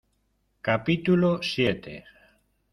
capítulo siete.